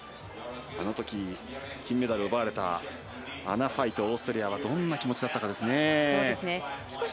あのとき、金メダルを奪われたアンナ・ファイトオーストリアはどんな気持ちだったかですね。